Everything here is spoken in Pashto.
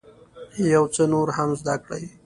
یو څه نور هم زده کړئ.